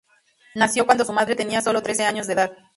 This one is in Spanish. Nació cuando su madre tenía solo trece años de edad.